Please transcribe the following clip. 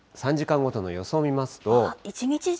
３時間ごとの予想を見ますと。